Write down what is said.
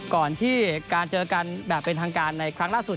ก่อนที่การเจอกันแบบเป็นทางการในครั้งล่าสุด